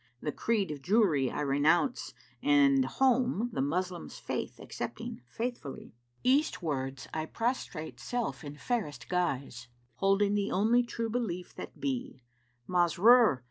The creed of Jewry I renounce and home, * The Moslem's Faith accepting faithfully Eastwards[FN#362] I prostrate self in fairest guise * Holding the only True Belief that be: Masrúr!